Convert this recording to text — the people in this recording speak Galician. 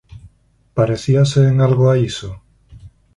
Parecíase en algo a iso?